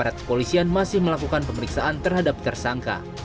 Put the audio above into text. aparat kepolisian masih melakukan pemeriksaan terhadap tersangka